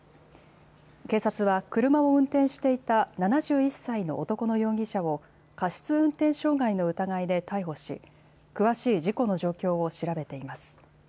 警察は、車を運転していた７１歳の男の容疑者を、過失運転傷害の疑いで逮捕し、詳しい事故の状況を調べています。